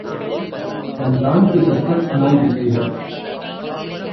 رمضان کی دستک سنائی دیتی ہے۔